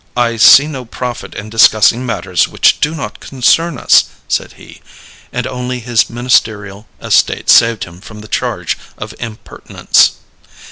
"I see no profit in discussing matters which do not concern us," said he, and only his ministerial estate saved him from the charge of impertinence.